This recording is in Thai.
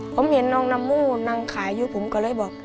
ผมเห็นน้องน้ำมูนั่งขายอยู่ผมก็เลยบอก